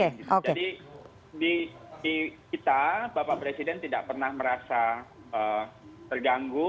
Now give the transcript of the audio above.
jadi di kita bapak presiden tidak pernah merasa terganggu